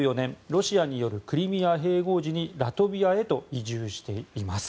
ロシアによるクリミア併合時にラトビアへと移住しています。